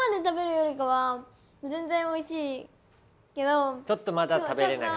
これはちょっとまだ食べれないかな。